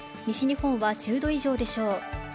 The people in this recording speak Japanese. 西日本は１０度以上でしょう。